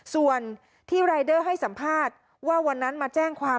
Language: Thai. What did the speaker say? ส่วนที่รายเดอร์ให้สัมภาษณ์ว่าวันนั้นมาแจ้งความ